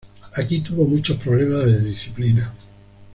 Aquí tuvo muchos problemas de disciplina.